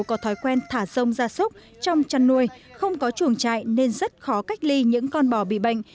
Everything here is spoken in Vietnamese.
có thói quen thả rông gia súc trong chăn nuôi không có chuồng trại nên rất khó cách ly những con bò bị bệnh